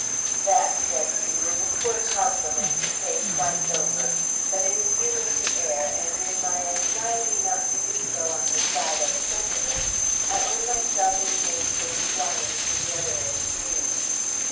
"That," said he, "was a poor compliment to pay twice over! But it is human to err, and in my anxiety not to do so on the side of sentiment I own myself in danger of flying to the other extreme.